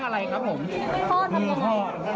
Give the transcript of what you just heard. ทำร้ายเรื่องอะไรครับผม